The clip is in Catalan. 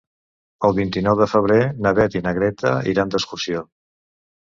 El vint-i-nou de febrer na Beth i na Greta iran d'excursió.